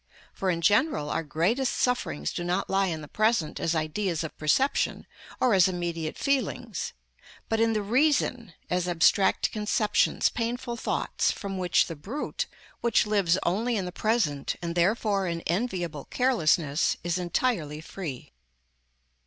For in general our greatest sufferings do not lie in the present as ideas of perception or as immediate feelings; but in the reason, as abstract conceptions, painful thoughts, from which the brute, which lives only in the present, and therefore in enviable carelessness, is entirely free.